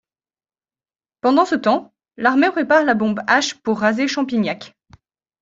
Pendant ce temps, l'armée prépare la bombe H pour raser Champignac.